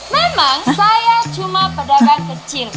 memang saya cuma pedagang kecil